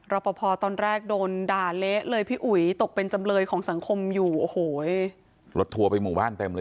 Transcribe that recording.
รอปภตอนแรกโดนด่าเละเลยพี่อุ๋ยตกเป็นจำเลยของสังคมอยู่